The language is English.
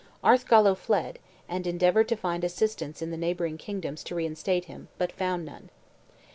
Arthgallo fled, and endeavored to find assistance in the neighboring kingdoms to reinstate him, but found none.